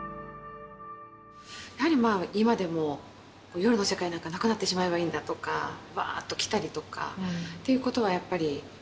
やはり、今でも夜の世界なんかなくなってしまえばいいんだとか、ばーっと来たりとかっていうことはやっぱり。